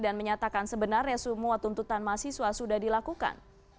dan menyatakan sebenarnya semua tuntutan mahasiswa sudah dilakukan